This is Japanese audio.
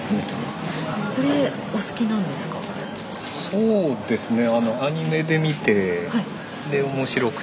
そうですね。